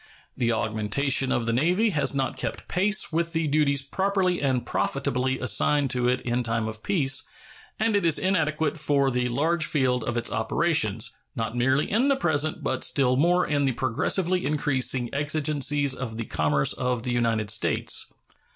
The augmentation of the Navy has not kept pace with the duties properly and profitably assigned to it in time of peace, and it is inadequate for the large field of its operations, not merely in the present, but still more in the progressively increasing exigencies of the commerce of the United States.